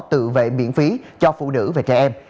tự vệ miễn phí cho phụ nữ và trẻ em